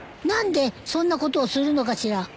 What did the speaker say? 何でそんなことをするのかしら。